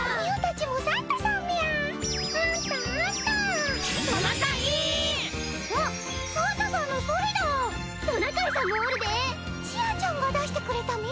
ちあちゃんが出してくれたみゃ？